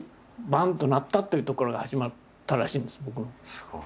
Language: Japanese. すごい。